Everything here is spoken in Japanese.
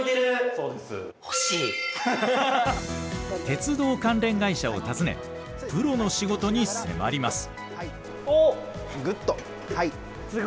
鉄道関連会社を訪ねプロの仕事に迫ります。